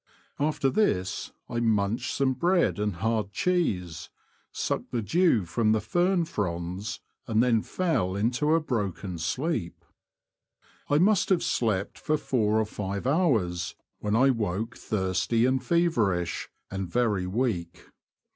After this I munched some bread and hard cheese, sucked the dew from the fern fronds, and then fell into a broken sleep. I must have slept for four or five hours, when I woke thirsty and feverish, and very weak.